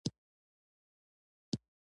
د خپلو دوستانو سره بهر وتلی وو